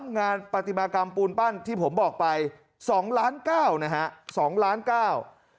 งานปฏิมากรรมปูนปั้นที่ผมบอกไปสองล้านเก้านะฮะสองล้านเก้า